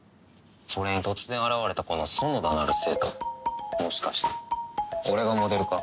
それに突然現れたこの園田なる生徒もしかして俺がモデルか？